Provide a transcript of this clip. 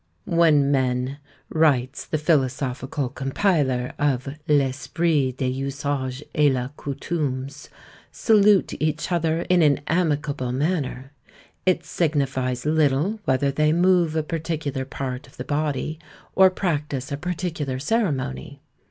When men, writes the philosophical compiler of "L'Esprit des Usages et des Coutumes," salute each other in an amicable manner, it signifies little whether they move a particular part of the body, or practise a particular ceremony.